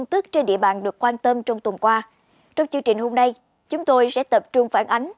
trong chương trình hôm nay chúng tôi sẽ tập trung phản ánh